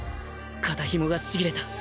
肩ひもがちぎれた。